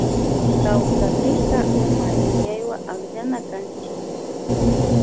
Kawsapika uma yuyaywa akllanakanchik